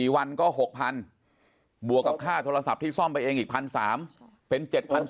๔วันก็๖๐๐๐บวกกับค่าโทรศัพท์ที่ซ่อมไปเองอีก๑๓๐๐เป็น๗๓๐๐